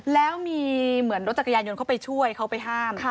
แล้วมีเหมือนรถจักรยานยนต์เข้าไปช่วยเขาไปห้าม